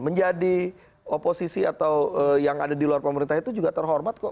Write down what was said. menjadi oposisi atau yang ada di luar pemerintah itu juga terhormat kok